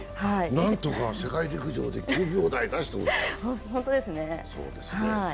何とか世界陸上で９秒台出してほしい。